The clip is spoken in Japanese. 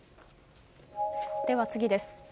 では次です。